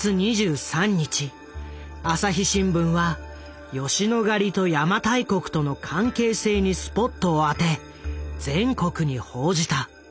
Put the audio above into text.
朝日新聞は吉野ヶ里と邪馬台国との関係性にスポットを当て全国に報じた。